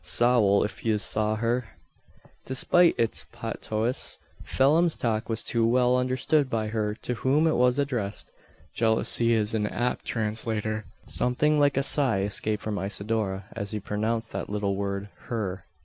Sowl, if yez saw her!" Despite its patois, Phelim's talk was too well understood by her to whom it was addressed. Jealousy is an apt translator. Something like a sigh escaped from Isidora, as he pronounced that little word "her."